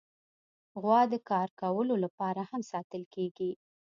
غوا د کار کولو لپاره هم ساتل کېږي.